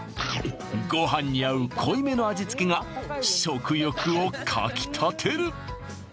ごはんに合う濃いめの味付けが食欲をかきたてる！